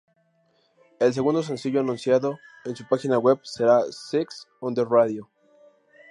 El segundo sencillo anunciado en su página web, será "Sex On The Radio".